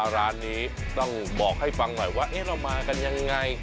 ร้านนี้ต้องบอกให้ฟังหน่อยว่าเรามากันยังไง